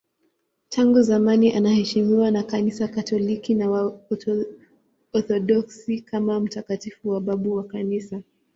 Tangu zamani anaheshimiwa na Kanisa Katoliki na Waorthodoksi kama mtakatifu na babu wa Kanisa.